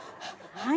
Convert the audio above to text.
はい。